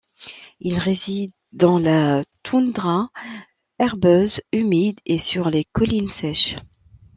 Il réside dans la toundra herbeuse humide et sur les collines sèches.